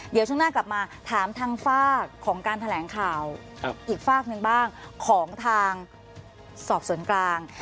เดี๋ยวช่วงหน้ากลับมาถามทางฝากของการแถลงข่าวอีกฝากหนึ่งบ้างของทางสอบสวนกลาง